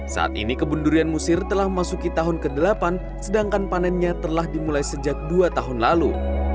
saat ini kebun durian musir telah memasuki tahun ke delapan sedangkan panennya telah dimulai sejak dua tahun lalu